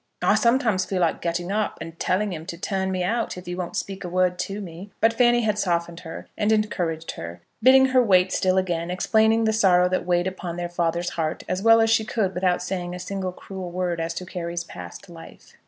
I sometimes feels like getting up and telling him to turn me out if he won't speak a word to me." But Fanny had softened her, and encouraged her, bidding her wait still again, explaining the sorrow that weighed upon their father's heart as well as she could without saying a single cruel word as to Carry's past life.